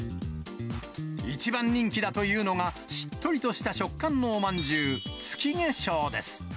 一番人気だというのが、しっとりとした食感のおまんじゅう、月化粧です。